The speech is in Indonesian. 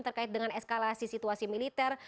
terkait dengan eskalasi situasi militer